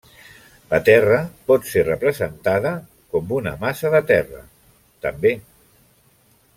La terra pot ser representada com una massa de terra també.